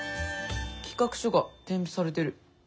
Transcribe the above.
企画書が添付されてる。